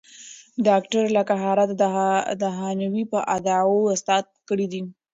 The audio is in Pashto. ډاکټر لاکهارټ د هانوې پر ادعاوو استناد کړی دی.